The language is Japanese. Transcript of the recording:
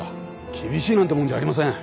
厳しいなんてもんじゃありません。